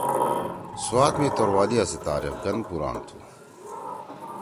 سوات می توروالیا سی تاریخ گن پُران تُھو۔